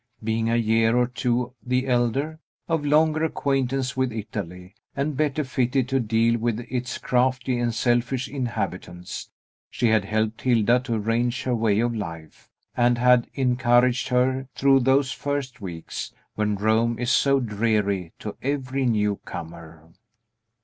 Being a year or two the elder, of longer acquaintance with Italy, and better fitted to deal with its crafty and selfish inhabitants, she had helped Hilda to arrange her way of life, and had encouraged her through those first weeks, when Rome is so dreary to every newcomer.